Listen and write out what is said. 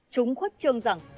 chúng khuất trương rằng